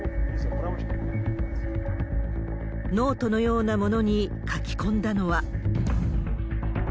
ノートのようなものに書き込んだのは。